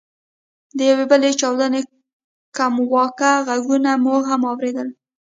د یوې بلې چاودنې کمواکه ږغونه مو هم واورېدل.